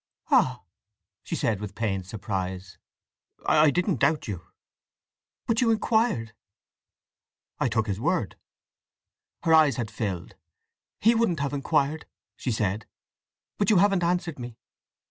"Ah!" she said with pained surprise. "I didn't doubt you." "But you inquired!" "I took his word." Her eyes had filled. "He wouldn't have inquired!" she said. "But you haven't answered me.